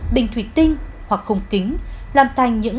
bình thủy tinh hoặc không tính